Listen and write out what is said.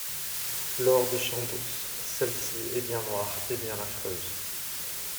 Lord Chandos Celle-ci est bien noire et bien affreuse !